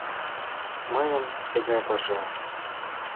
Мыйын тыгай паша...